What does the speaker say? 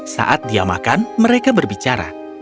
saat dia makan mereka berbicara